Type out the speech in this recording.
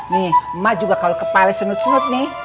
nih emak juga kalau kepala senut senut nih